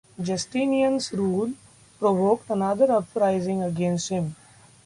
Justinian's rule provoked another uprising against him.